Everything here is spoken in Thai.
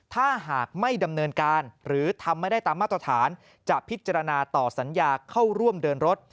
ถ้าหากไม่ดำเนินการหรือทำไม่ได้ตามมาตรฐานจะพิจารณาต่อสัญญาเข้าร่วมเดินรถ